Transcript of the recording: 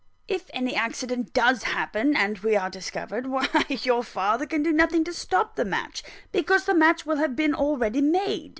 If any accident does happen, and we are discovered, why your father can do nothing to stop the match, because the match will have been already made.